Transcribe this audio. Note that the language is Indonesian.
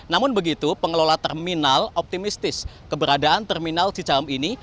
namun begitu pengelola terminal optimistis keberadaan terminal cicahem ini